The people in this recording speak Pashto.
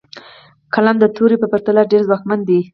قلم د تورې په پرتله ډېر ځواکمن دی.